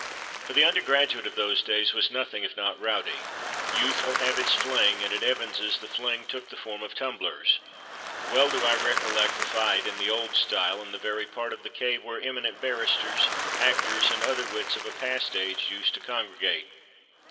For the undergraduate of those days was nothing if not rowdy. Youth will have its fling; and at Evans's the fling took the form of tumblers. Well do I recollect a fight in "the old style" in the very part of the "Cave" where eminent barristers, actors, and other wits of a past age, used to congregate.